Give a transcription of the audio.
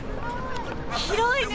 広いね！